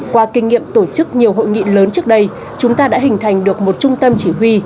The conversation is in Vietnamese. qua kinh nghiệm tổ chức nhiều hội nghị lớn trước đây chúng ta đã hình thành được một trung tâm chỉ huy